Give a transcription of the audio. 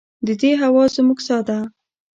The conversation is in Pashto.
د دې هوا زموږ ساه ده